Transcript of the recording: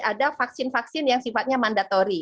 ada vaksin vaksin yang sifatnya mandatori